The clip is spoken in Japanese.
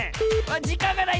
じかんがない！